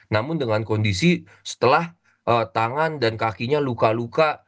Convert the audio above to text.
namun dengan kondisi setelah tangan dan kakinya luka luka